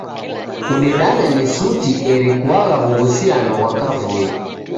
Kudedanya ni suti eri kuagha w'uhusiano ghwa kavui.